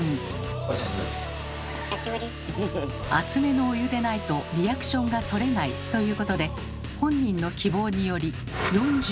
熱めのお湯でないとリアクションがとれないということで本人の希望により４７℃に設定。